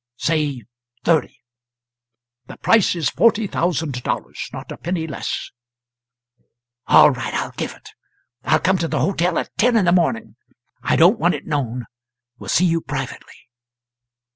"Say thirty." "The price is forty thousand dollars; not a penny less." "All right, I'll give it. I will come to the hotel at ten in the morning. I don't want it known; will see you privately."